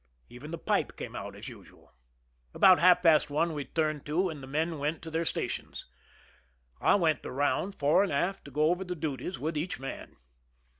Even the pipe cam e out as usual. About half past one we " turned to," and the men went to their stations. I went the round, fore and aft, to go over the duties with each man.